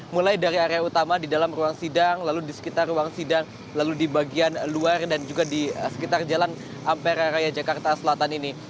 mulai dari area utama di dalam ruang sidang lalu di sekitar ruang sidang lalu di bagian luar dan juga di sekitar jalan ampera raya jakarta selatan ini